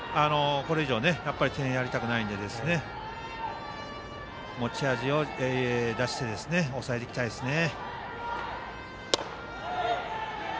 これ以上点をやりたくないので持ち味を出して抑えていきたいですよね。